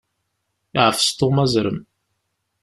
Yeɛfes Tom azrem.